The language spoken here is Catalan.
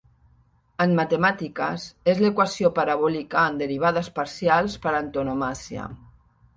En matemàtiques, és l'equació parabòlica en derivades parcials per antonomàsia.